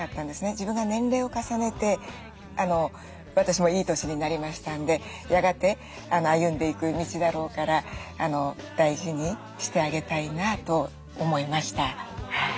自分が年齢を重ねて私もいい年になりましたんでやがて歩んでいく道だろうから大事にしてあげたいなと思いました。